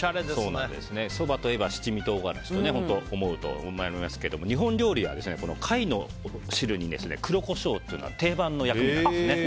そばといえば、七味唐辛子と本当、思うと思いますけど日本料理は貝の汁に黒コショウっていうのは定番の薬味なんですね。